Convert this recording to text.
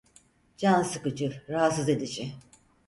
Can sıkıcı, rahatsız edici.